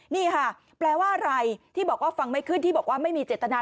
นี่ค่ะแปลว่าอะไรที่บอกว่าฟังไม่ขึ้นที่บอกว่าไม่มีเจตนา